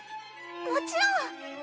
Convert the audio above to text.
もちろん！